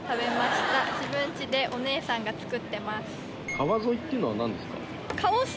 「川沿い」っていうのは何ですか？